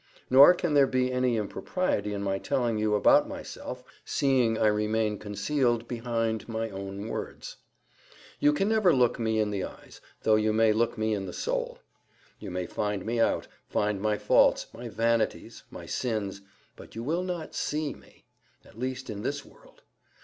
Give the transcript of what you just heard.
Nor can there be any impropriety in my telling you about myself, seeing I remain concealed behind my own words. You can never look me in the eyes, though you may look me in the soul. You may find me out, find my faults, my vanities, my sins, but you will not SEE me, at least in this world.